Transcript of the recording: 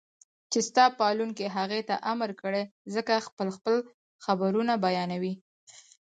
چې ستا پالونکي هغې ته امر کړی زکه خپل خپل خبرونه بيانوي